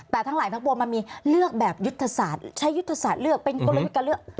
แต่ทั้งหลายทั้งปวงมันมีเลือกแบบยุทธศาสตร์ใช้ยุทธศาสตร์เลือกเป็นกลยุทธ์การเลือก